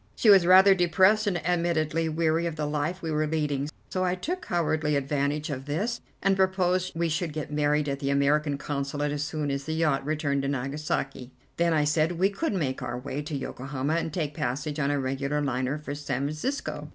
She was rather depressed and admittedly weary of the life we were leading. So I took cowardly advantage of this and proposed we should get married at the American Consulate as soon as the yacht returned to Nagasaki. Then, I said, we could make our way to Yokohama and take passage on a regular liner for San Francisco.